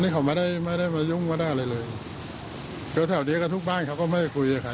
เขาไม่ได้มาสัมภัณฑ์ังกับทุกทั่วไป